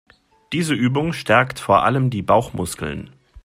Diese Übung stärkt vor allem die Bauchmuskeln.